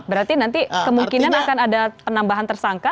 berarti nanti kemungkinan akan ada penambahan tersangka